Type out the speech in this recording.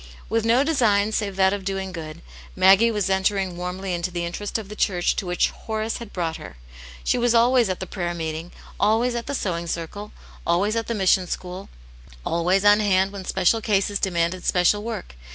With no design save that of doing good, Maggie was entering warmly into the interest of the church to which Horace had brought her ; she was always at the prayer meeting, always at the sewing circle, always at the mission school, always on hand when special cases demanded special work.